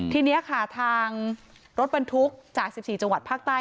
ทีนี้ค่ะทางรถบรรทุกจาก๑๔จังหวัดภาคใต้